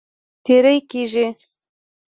تېری کیږي.